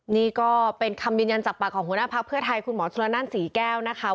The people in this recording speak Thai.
นี่ก็เป็นคำยืนยันจากปากของหัวหน้าพักเพื่อไทยคุณหมอชนละนั่นศรีแก้วนะคะ